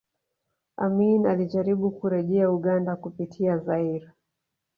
Amin alijaribu kurejea Uganda kupitia Zaire